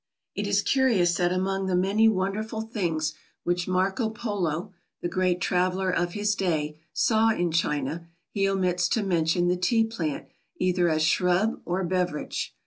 It is curious that among the many wonderful things which Marco Polo the great traveller of his day saw in China, he omits to mention the Tea plant either as shrub or beverage.